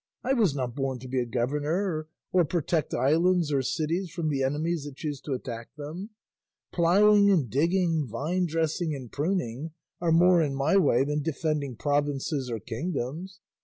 I was not born to be a governor or protect islands or cities from the enemies that choose to attack them. Ploughing and digging, vinedressing and pruning, are more in my way than defending provinces or kingdoms.